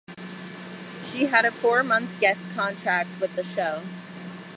She had a four-month guest contract with the show.